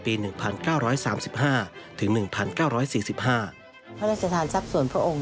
ในหลวงทั้งสองพระองค์ทั้งสองพระองค์